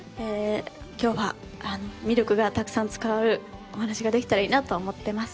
今日は魅力がたくさん伝わるお話ができたらいいなと思ってます。